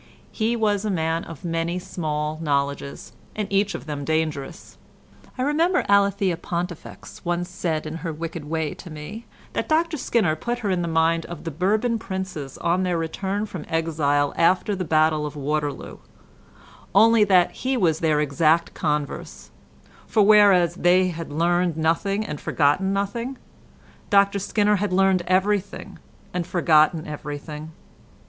He was a man of many small knowledges, and each of them dangerous. I remember Alethea Pontifex once said in her wicked way to me, that Dr Skinner put her in mind of the Bourbon princes on their return from exile after the battle of Waterloo, only that he was their exact converse; for whereas they had learned nothing and forgotten nothing, Dr Skinner had learned everything and forgotten everything.